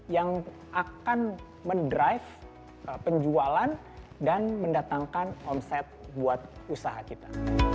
yang akan mendrive penjualan dan mendatangkan omset buat usaha kita